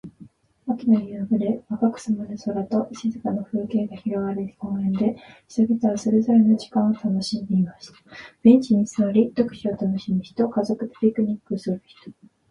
秋の夕暮れ、赤く染まる空と静かな風景が広がる公園で、人々はそれぞれの時間を楽しんでいました。ベンチに座り、読書を楽しむ人、家族でピクニックをする人、散歩する人々が行き交います。木々の葉は色とりどりに変わり、足元には枯葉が舞い、季節の移ろいを感じさせてくれます。